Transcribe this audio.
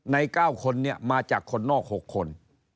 ใน๙คนเนี่ยมาจากคนนอก๖คน